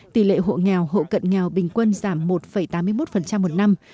tỷ lệ hộ nghèo hộ cận nghèo bình quân giảm một tám mươi một một năm